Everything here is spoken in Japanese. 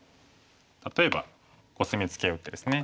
例えばコスミツケを打ってですね。